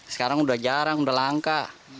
sekarang sudah jarang sudah langka